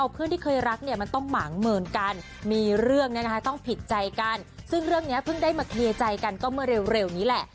ซึ่งเรื่องนี้่ะเหมือนมาเคลียร์ใจกันก็เหมือนเร็วนี่แหละ